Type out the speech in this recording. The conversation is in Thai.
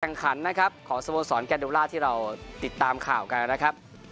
ขันนะครับของสโมสรแกนโดล่าที่เราติดตามข่าวกันนะครับ